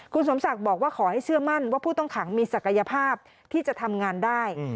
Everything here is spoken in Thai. คุณสมศักดิ์บอกว่าขอให้เชื่อมั่นว่าผู้ต้องขังมีศักยภาพที่จะทำงานได้